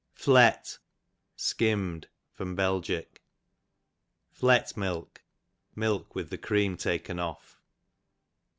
Flet, skimm'd. Bel. Flet Milk, milk with the cream taken off.